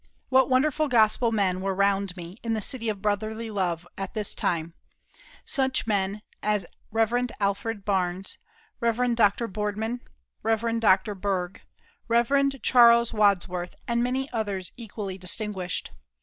What wonderful Gospel men were round me in the City of Brotherly Love at this time such men as Rev. Alfred Barnes, Rev. Dr. Boardman, Rev. Dr. Berg, Rev. Charles Wadsworth, and many others equally distinguished.